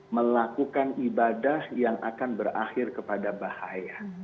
melakukan ibadah yang akan berakhir kepada bahaya